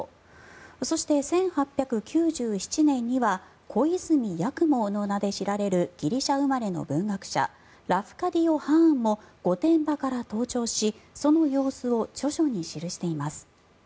そして、１８９７年には小泉八雲の名で知られるギリシャ生まれの文学者ラフカディオ・ハーンも御殿場から登頂しその様子を著書に記しています。